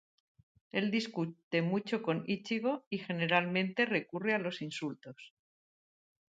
Él discute mucho con Ichigo y generalmente recurre a los insultos.